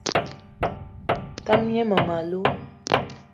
Tam gne mmem- alou